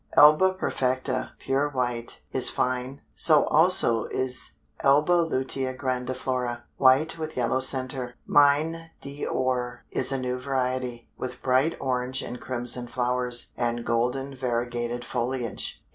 Alba perfecta, pure white, is fine, so also is Alba lutea grandiflora, white with yellow center. Mine d'Or is a new variety, with bright orange and crimson flowers, and golden variegated foliage.